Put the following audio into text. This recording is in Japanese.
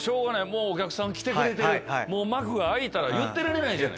もうお客さん来てくれてる幕が開いたら言ってられない。